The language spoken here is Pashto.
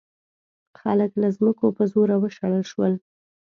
خلک له ځمکو په زوره وشړل شول.